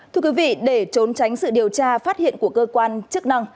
thưa quý vị để trốn tránh sự điều tra phát hiện của cơ quan chức năng